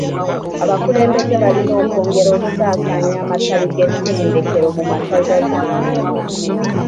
Abakulembeze balina okwongera okusaasaanya amatabi g’ettendekero mu masaza gonna.